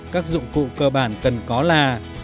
các dụng cụ cơ bản cần có là